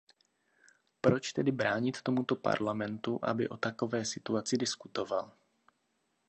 Proč tedy bránit tomuto Parlamentu, aby o takové situaci diskutoval?